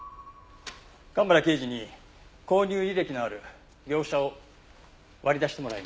蒲原刑事に購入履歴のある業者を割り出してもらいました。